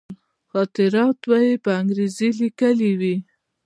خاطرات به یې په انګرېزي لیکلي وي.